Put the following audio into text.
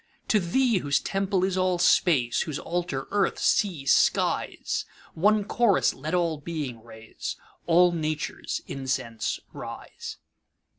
To Thee, whose temple is all Space, Whose altar earth, sea, skies, One chorus let all Being raise, All Nature's incense rise!